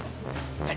はい。